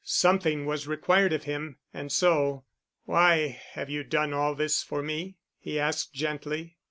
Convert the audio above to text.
Something was required of him and so, "Why have you done all this for me?" he asked gently.